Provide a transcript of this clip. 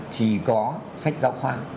chỉ có sách giáo khoa